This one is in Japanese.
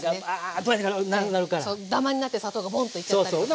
そうダマになって砂糖がボンといっちゃったりとか。そうそう。